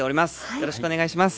よろしくお願いします。